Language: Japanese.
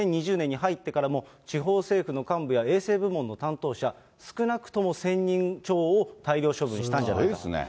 ２０２０年に入ってからも、地方政府の幹部や衛星部門の担当者、少なくとも１０００人超を大量処分したんじゃないかと。